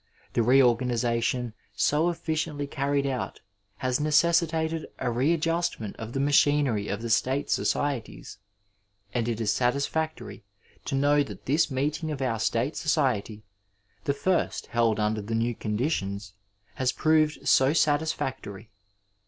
The reorganization so efficiently carried out has neoesed tated a readjustment of the machinery of the state societies^ and it is satisfactory to know that this meeting of our state 452 Digitized by VjOOQIC UNITY, PEACE, AND CONCORD society, the fiist held under the new conditions, has proved so satisfactory.